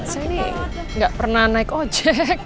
saya ini nggak pernah naik ojek